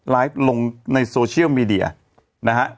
ลงในโซเชียลมีเดียนะฮะ